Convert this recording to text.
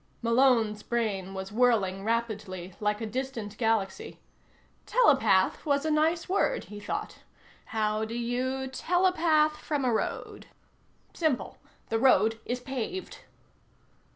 Malone's brain was whirling rapidly, like a distant galaxy. Telepath was a nice word, he thought. How do you telepath from a road? Simple. The road is paved.